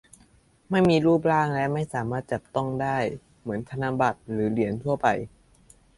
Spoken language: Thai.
ไม่มีรูปร่างและไม่สามารถจับต้องได้เหมือนธนบัตรหรือเหรียญทั่วไป